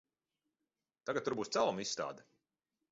Tagad tur būs celmu izstāde.